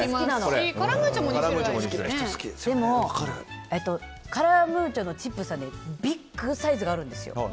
でもカラムーチョのチップスはビッグサイズがあるんですよ。